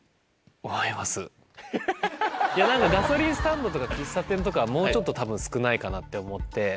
ガソリンスタンドとか喫茶店とかはもうちょっとたぶん少ないかなって思って。